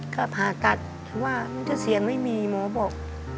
ก็ผ่าตัดว่ามันจะเสี่ยงไม่มีหมอก็บอก